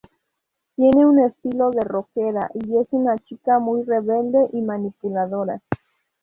Tiene un estilo de "rockera" y es una chica muy rebelde y manipuladora.